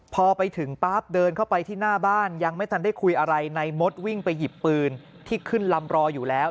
พอไปถึงปั๊บเดินเข้าไปที่หน้าบ้านยังไม่ทันได้คุยอะไรในมดวิ่งไปหยิบปืนที่ขึ้นลำรออยู่แล้ว